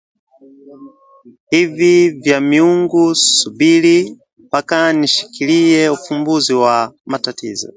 hivi vya Miungu! Subiri mpaka nishikilie ufumbuzi wa matatizo